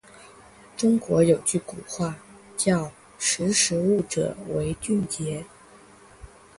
中国有句古话，叫“识时务者为俊杰”。